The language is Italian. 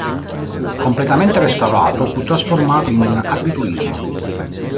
Completamente restaurato, fu trasformato in un agriturismo.